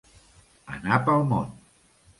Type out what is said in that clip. Anar pel món.